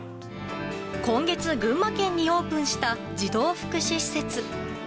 今月、群馬県にオープンした児童福祉施設。